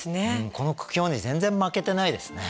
この苦境に全然負けてないですね。